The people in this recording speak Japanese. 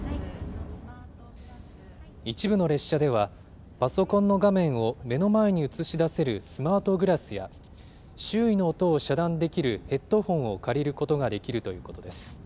一部の列車では、パソコンの画面を目の前に映し出せるスマートグラスや、周囲の音を遮断できるヘッドフォンを借りることができるということです。